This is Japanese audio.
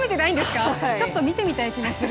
ちょっと見てみたい気もする。